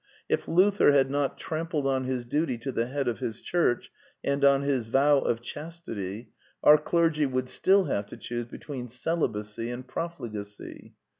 If Luther had not trampled on his duty to the head of his Church and on his vow of chastity, our clergy would still have to choose between celibacy and profligacy.